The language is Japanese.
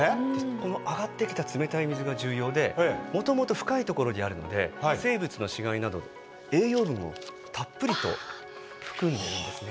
この上がってきた冷たい水が重要でもともと深いところにあるので生物の死骸など栄養分をたっぷりと含んでるんですね。